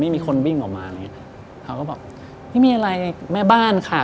ไม่มีคนวิ่งออกมาเราก็บอกนี่มีอะไรแม่บ้านค่ะ